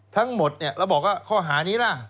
ทั้งหมดเราบอกว่าข้อหานี้ล่ะ